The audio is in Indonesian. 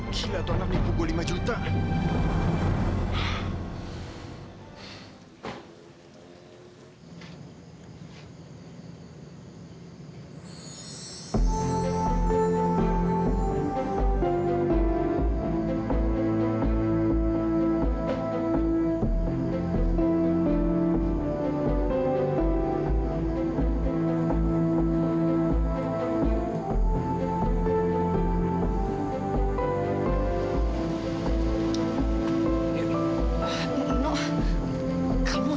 gila tuan aku dipukul lima juta